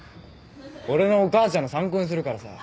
俺のお母ちゃんの参考にするからさ。